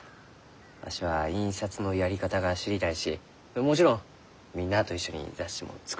わしは印刷のやり方が知りたいしもちろんみんなと一緒に雑誌も作りたいがじゃ。